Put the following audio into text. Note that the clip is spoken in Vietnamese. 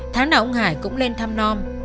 tháng nào ông hải cũng lên thăm non